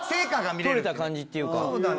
取れた感じっていうかはい。